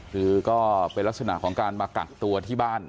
คือก็เป็นลักษณะของการมากักตัวที่บ้าน